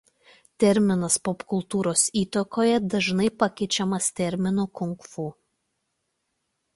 Terminas popkultūros įtakoje dažnai pakeičiamas terminu Kung Fu.